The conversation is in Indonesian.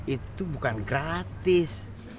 itu bukan gratis